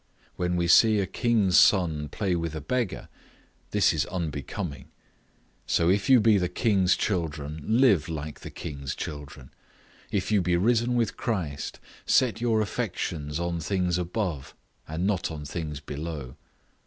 When we see a king's son play with a beggar, this is unbecoming; so if you be the king's children, live like the king's children. If you be risen with Christ, set your affections on things above, and not on things below.